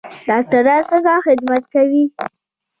ډاکټران څنګه خدمت کوي؟